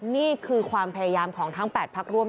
นี่คือความพยายามของทั้ง๘พักร่วม